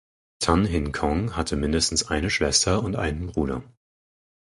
Tan Hin Kong hatte mindestens eine Schwester und einen Bruder.